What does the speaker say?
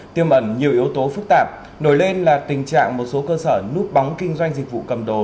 tiêm ẩn nhiều yếu tố phức tạp nổi lên là tình trạng một số cơ sở núp bóng kinh doanh dịch vụ cầm đồ